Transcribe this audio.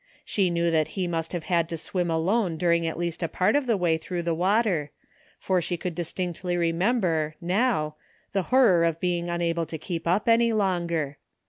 She knew that he must have had to swim alone during at least a part of the way through the water, for she could distinctly remember, now, the horror of being unable to keep up any longer.